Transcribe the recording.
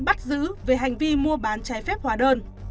bắt giữ về hành vi mua bán trái phép hóa đơn